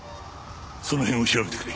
その辺を調べてくれ。